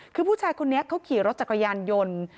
คือผู้ชายคนนี้เขาขี่รถจักรยานยนต์